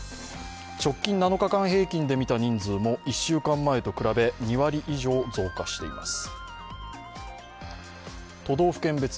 直近７日間平均で見た人数も１週間前と比べ２割以上増加しています。